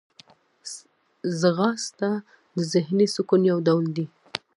ځغاسته د ذهني سکون یو ډول دی